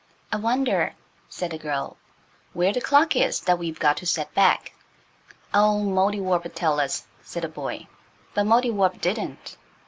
"I wonder," said the girl, "where the clock is that we've got to set back?" "Oh, Mouldiwarp'll tell us," said the boy. But Mouldiwarp didn't.